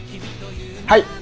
はい。